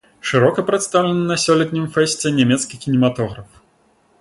Шырока прадстаўлены на сёлетнім фэсце нямецкі кінематограф.